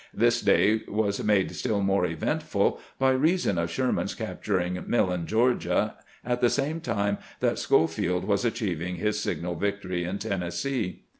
This day was made still more eventful by reason of Sherman's capturing Millen, G eorgia, at the same time that Schofield was achieving his signal victory in Tennessee.